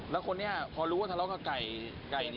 แล้วก็ออกเธอเนี่ยพอรู้ว่าทะเลาะกับไก่นี่